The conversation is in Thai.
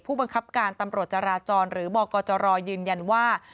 บังคับการตำรวจจราจรหรือบกจรยืนยันว่า